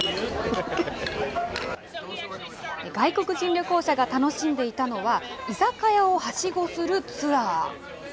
外国人旅行者が楽しんでいたのは、居酒屋をはしごするツアー。